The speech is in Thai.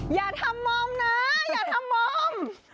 อย่าทำมอมนะอย่าทำมอม